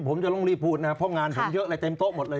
ผมจะต้องรีบพูดนะครับเพราะงานผมเยอะเลยเต็มโต๊ะหมดเลย